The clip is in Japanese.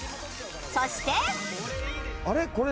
そしてあれ？